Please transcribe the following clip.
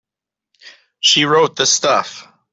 She wrote the stuff.